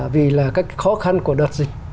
vì là các khó khăn của đợt dịch